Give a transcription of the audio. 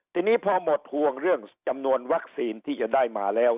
ทีนี้พอหมดห่วงเรื่องจำนวนวัคซีนที่จะได้มาแล้ว